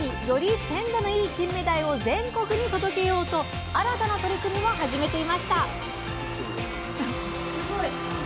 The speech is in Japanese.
より鮮度のいいキンメダイを全国に届けようと新たな取り組みも始めていました。